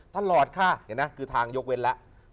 ตลอดค่ะคือทางยกเว้นแล้ว